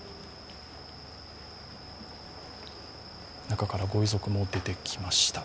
中から、ご遺族も出てきました。